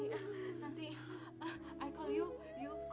nanti aku panggil kamu kamu panggil aku